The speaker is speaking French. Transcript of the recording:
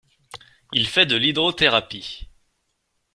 Il fait de l’hydrothérapie.